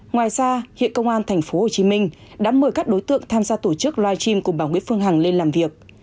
ngoài ra hiện công an tp hcm đã mời các đối tượng tham gia tổ chức live stream của bà nguyễn phương hằng lên làm việc